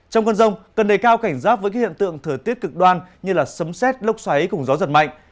trong cơn rông cần đầy cao cảnh giáp với hiện tượng thời tiết cực đoan như sấm xét lốc xoáy cùng gió giật mạnh